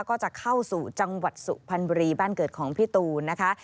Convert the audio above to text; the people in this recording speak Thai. ก็จะเข้าสู่จังหวัดสุพรรณบุรีบ้านเกิดของพี่ตูนนะคะ